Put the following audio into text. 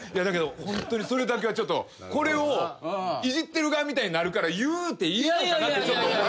だけどホントにそれだけはこれをいじってる側みたいになるから言うていいのかなって。